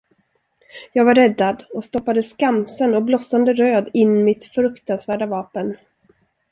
Jag var räddad och stoppade skamsen och blossande röd in mitt fruktansvärda vapen.